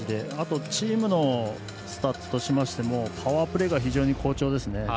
チームのスタッツとしてもパワープレーが非常に好調ですね。